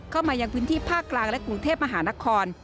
มายังพื้นที่ภาคกลางและกรุงเทพมหานคร